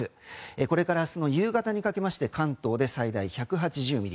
これから明日の夕方にかけまして関東で最大１８０ミリ